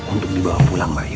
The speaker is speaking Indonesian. untuk dibawa pulang mbak yu